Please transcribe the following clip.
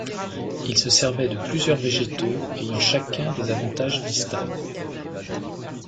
Ils se servaient de plusieurs végétaux ayant chacun des avantages distincts.